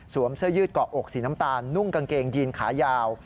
เสื้อยืดเกาะอกสีน้ำตาลนุ่งกางเกงยีนขายาว